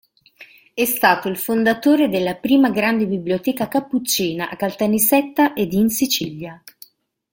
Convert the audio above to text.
È stato il fondatore della prima grande biblioteca cappuccina a Caltanissetta ed in Sicilia.